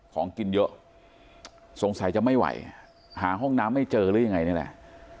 ของกินเยอะสงสัยจะไม่ไหวหาห้องน้ำไม่เจอหรือยังไงนี่แหละ